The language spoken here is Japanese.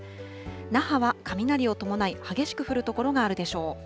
那覇は雷を伴い、激しく降る所があるでしょう。